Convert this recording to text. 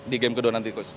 di game kedua nanti kus